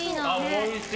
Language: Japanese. おいしい！